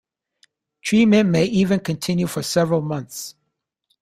Treatment may even continue for several months.